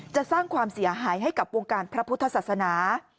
จะสร้างความเสียหายให้กับวงการพระพุทธศาสนา